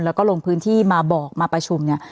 แล้วก็ลงพื้นที่มาบอกมาประชุมเนี่ย